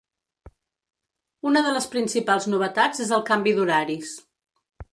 Una de les principals novetats és el canvi d’horaris.